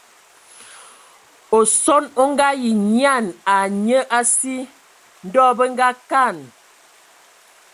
Osɔn o Ngaayi nyian ai nye a si. Ndɔ bə ngakaan.